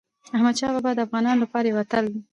احمدشاه بابا د افغانانو لپاره یو اتل و.